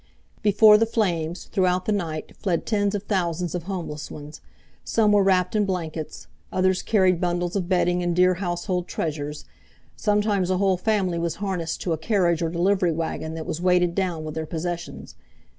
Before the flames, throughout the night, fled tens of thousands of homeless ones. Some were wrapped in blankets. Others carried bundles of bedding and dear household treasures. Sometimes a whole family was harnessed to a carriage or delivery wagon that was weighted down with their possessions.